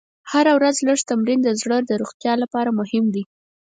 هره ورځ لږ تمرین د زړه د روغتیا لپاره مهم دی.